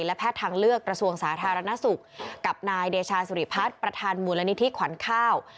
และแพทย์ทางเลือกกระทรวงสาธารณสุขกับนายเดชาสุริพัฒน์ประธานมูลนิธิขวัญข้าว